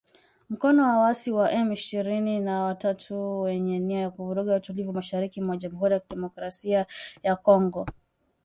mkono waasi wa M ishirini na tatu wenye nia ya kuvuruga utulivu mashariki mwa Jamuhuri ya Demokrasia ya Kongo